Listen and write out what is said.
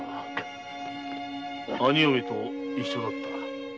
兄嫁と一緒だった。